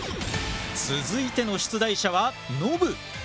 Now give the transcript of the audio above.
続いての出題者はノブ。